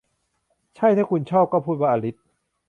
ใช่ถ้าคุณชอบ ก็พูดว่าอลิซ